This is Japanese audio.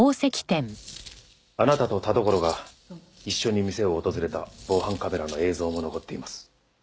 あなたと田所が一緒に店を訪れた防犯カメラの映像も残っています。